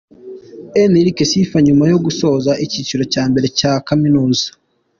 Enric Sifa nyuma yo gusoza icyiciro cya mbere cya kaminuza.